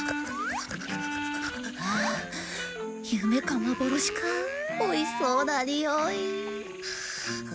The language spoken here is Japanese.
夢か幻かおいしそうなにおい。